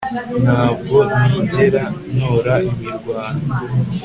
Ntabwo nigera ntora imirwano